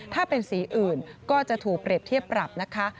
ถ้าเป็นสีอื่นก็จะถูกเปรียบเทียบปรับนะคะ